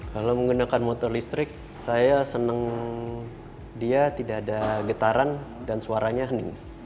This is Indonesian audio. kalau menggunakan motor listrik saya senang dia tidak ada getaran dan suaranya hening